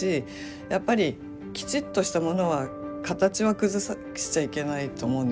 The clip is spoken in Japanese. やっぱりきちっとしたものは形は崩しちゃいけないと思うんですよね。